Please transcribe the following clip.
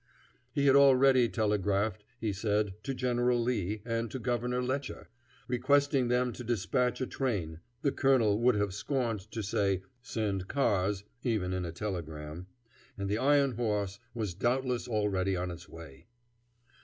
He had already telegraphed, he said, to General Lee and to Governor Letcher, requesting them to dispatch a train (the colonel would have scorned to say "send cars" even in a telegram), and the iron horse was doubtless already on its way.